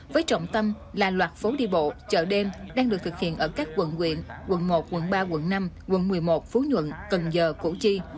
với trọng tâm là loạt phố đi bộ chợ đêm đang được thực hiện ở các quận quyện quận một quận ba quận năm quận một mươi một phú nhuận cần giờ củ chi